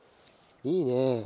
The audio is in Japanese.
いいねえ。